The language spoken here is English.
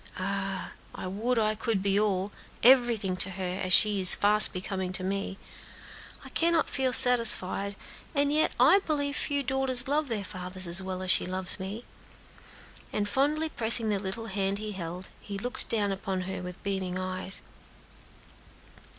Ah! I would I could be all everything to her, as she is fast becoming to me. I cannot feel satisfied, and yet I believe few daughters love their fathers as well as she loves me;" and fondly pressing the little hand he held, he looked down upon her with beaming eyes.